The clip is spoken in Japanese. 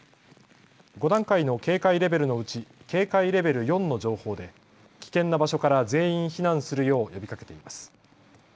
５段階の警戒レベルのうち警戒レベル４の情報で危険な場所から全員避難するよう呼びかけています。